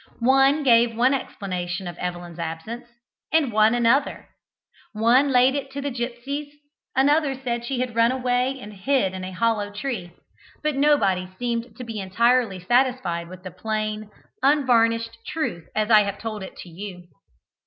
One gave one explanation of Evelyn's absence, and one another; one laid it to the gipsies, another said she had run away and hid in a hollow tree, but nobody seemed to be entirely satisfied with the plain, unvarnished truth as I have told it to you.